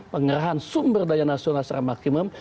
pengerahan sumber daya nasional secara maksimum